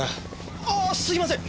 ああっすいません。